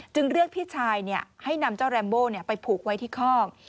จึงเลือกพี่ชายเนี่ยให้นำเจ้าแรมโบ้ไปผูกไว้ที่คอก